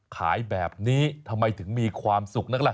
ขายแบบนี้ทำไมถึงมีความสุขนักล่ะ